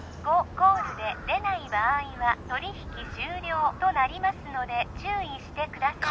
コールで出ない場合は取引終了となりますので注意してください